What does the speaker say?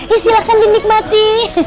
ya silahkan dinikmati